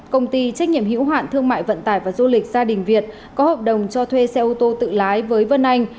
công ty trách nhiệm hữu hạn thương mại vận tải và du lịch gia đình việt có hợp đồng cho thuê xe ô tô tự lái với vân anh